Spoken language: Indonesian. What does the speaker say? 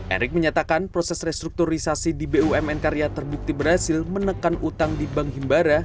erick menyatakan proses restrukturisasi di bumn karya terbukti berhasil menekan utang di bank himbara